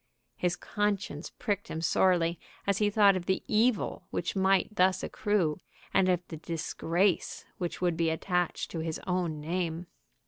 His conscience pricked him sorely as he thought of the evil which might thus accrue, and of the disgrace which would be attached to his own name.